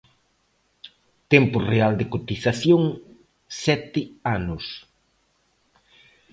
Tempo real de cotización: sete anos.